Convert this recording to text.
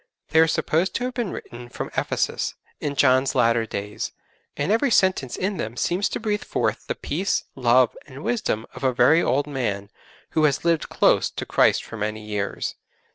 They are supposed to have been written from Ephesus, in John's latter days, and every sentence in them seems to breathe forth the peace, love, and wisdom of a very old man who has lived close to Christ for many years.